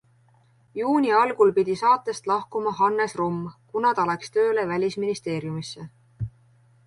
Juuni algul pidi saatest lahkuma Hannes Rumm, kuna ta läks tööle välisministeeriumisse.